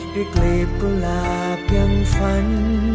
ได้กลีบกลากอย่างฝัน